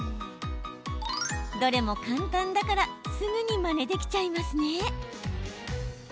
どれも簡単だからすぐにまねできちゃいますね。